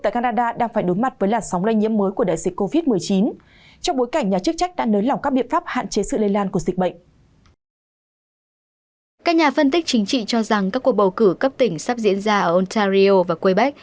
các nhà phân tích chính trị cho rằng các cuộc bầu cử cấp tỉnh sắp diễn ra ở ontario và quebec